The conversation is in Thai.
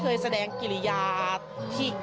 โปรดติดตามต่อไป